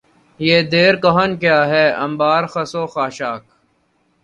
یہ دیر کہن کیا ہے انبار خس و خاشاک